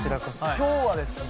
今日はですね